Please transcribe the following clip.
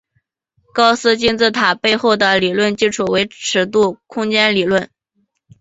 高斯金字塔背后的理论基础为尺度空间理论。